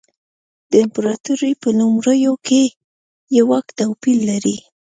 د امپراتورۍ په لومړیو کې یې واک توپیر لري.